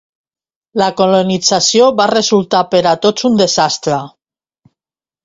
La colonització va resultar per a tots un desastre.